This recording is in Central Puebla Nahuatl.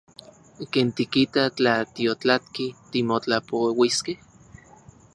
¿Ken tikita tla tiotlatki timotlapouiskej?